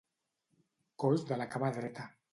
Coix de la cama dreta.